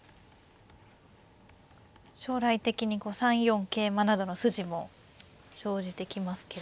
将来的に３四桂馬などの筋も生じてきますけれど。